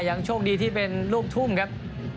ยังโชคดีที่เป็นลูกทุ่มครับ